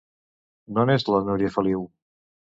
D'on és la Núria Feliu?